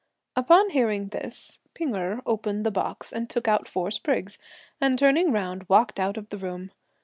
Upon hearing this, P'ing Erh opened the box, and took out four sprigs, and, turning round, walked out of the room.